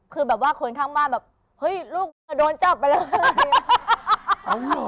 คือแบบว่าคนข้างบ้านแบบเฮ้ยลูกโดนจับไปเลย